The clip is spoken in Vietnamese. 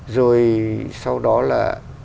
rồi sau đó là